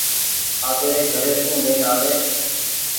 آپيري گهري سون لين آوي ۔